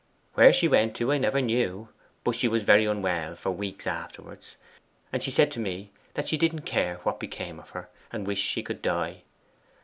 Where she went to, I never knew but she was very unwell for weeks afterwards. And she said to me that she didn't care what became of her, and she wished she could die.